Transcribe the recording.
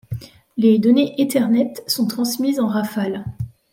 Les données Ethernet sont transmises en rafales.